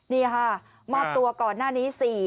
นี่ค่ะมอบตัวก่อนหน้านี้๔